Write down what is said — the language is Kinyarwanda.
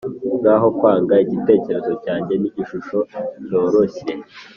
nkaho kwanga igitekerezo cyanjye nigishusho cyoroshye.